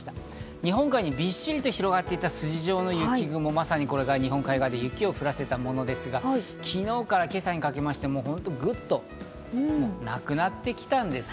日本海にびっしりと広がっていた筋状の雪雲、まさにこれが日本海側で雪を降らせたものですが、昨日から今朝までなくなってきたんですね。